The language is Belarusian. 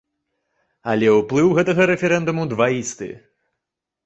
Але ўплыў гэтага рэферэндуму дваісты.